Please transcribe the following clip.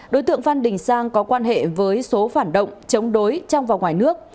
đối tượng phan đình sang có quan hệ với số phản động chống đối trong và ngoài nước